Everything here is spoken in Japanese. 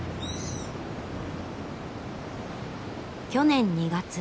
去年２月。